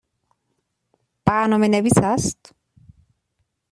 برنامه نویس است؟